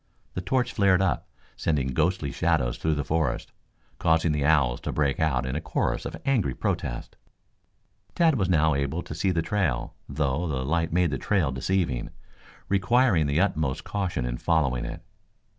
The torch flared up, sending ghostly shadows through the forest, causing the owls to break out in a chorus of angry protest. Tad was now able to see the trail, though the light made the trail deceiving, requiring the utmost caution in following it.